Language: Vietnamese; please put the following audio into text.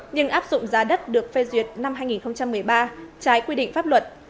nhưng áp dụng giá đất được phê duyệt năm hai nghìn một mươi ba trái quy định pháp luật